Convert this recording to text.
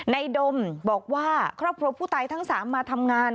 ดมบอกว่าครอบครัวผู้ตายทั้ง๓มาทำงาน